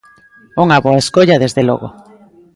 Unha boa escolla desde logo.